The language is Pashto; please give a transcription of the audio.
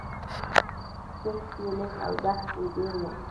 کښت یې لږ او دښت یې ډېر و